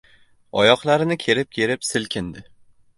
Oyoqlarini kerib-kerib silkindi.